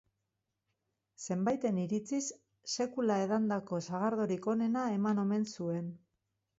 Zenbaiten iritziz, sekula edandako sagardorik onena eman omen zuen.